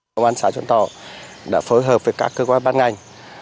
công an xã xuân lộc đã phối hợp với các cơ quan bán ngành